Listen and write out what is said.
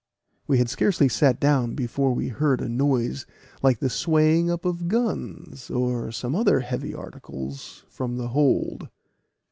We had scarcely sat down before we heard a noise like the swaying up of guns, or some other heavy articles, from the hold.